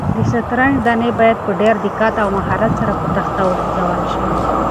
د شطرنج دانې باید په ډېر دقت او مهارت سره په تخته وخوځول شي.